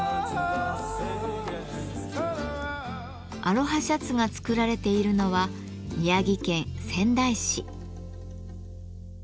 アロハシャツが作られているのは宮城県仙台市。